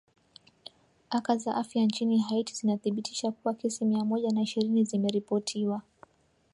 aka za afya nchini haiti zinathibitisha kuwa kesi mia moja na ishirini zimeripotiwa